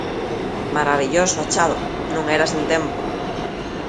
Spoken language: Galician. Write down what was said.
Marabilloso achado, non era sen tempo.